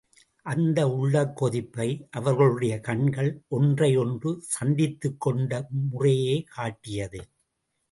அந்த உள்ளக் கொதிப்பை, அவர்களுடைய கண்கள் ஒன்றையொன்று சந்தித்துக்கொண்ட முறையே காட்டியது.